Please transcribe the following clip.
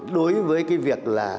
đối với cái việc là